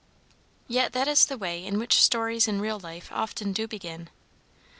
Yet that is the way in which stories in real life often do begin.